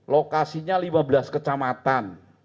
lokasinya lima belas kecamatan